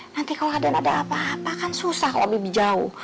nanti kalau aden ada apa apa kan susah kalau bebi jauh